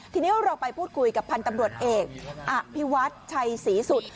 ทีนี้เราไปพูดคุยกับพันธ์ตำรวจเอกอภิวัฒน์ชัยศรีสุด